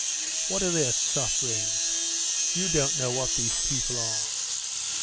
"What are their sufferings? You don't know what these people are."